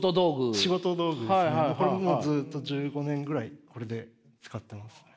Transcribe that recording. これももうずっと１５年ぐらいこれで使ってますね。